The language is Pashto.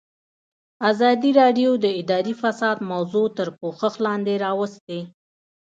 ازادي راډیو د اداري فساد موضوع تر پوښښ لاندې راوستې.